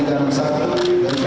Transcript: dan ketika itu